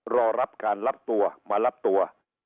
รอรับการรับตัวมารับตัว